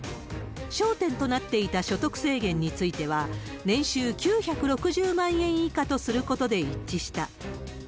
焦点となっていた所得制限については、年収９６０万円以下とすることで一致した。